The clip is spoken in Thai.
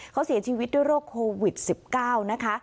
เขาเสียชีวิตด้วยโรคโควิด๑๙นะคะ